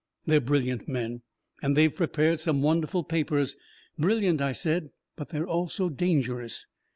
They're brilliant men, and they've prepared some wonderful papers. Brilliant, I said: they are also dangerous.